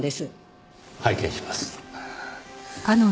拝見します。